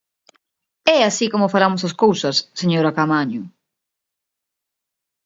¡É así como falamos as cousas, señora Caamaño!